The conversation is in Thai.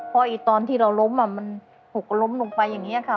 เพราะตอนที่เราล้มมันหกล้มลงไปอย่างนี้ค่ะ